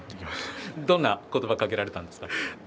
どんな言葉をかけられたんですか。